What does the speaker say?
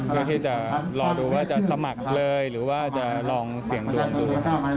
เพื่อที่จะรอดูว่าจะสมัครเลยหรือว่าจะลองเสี่ยงดวงดู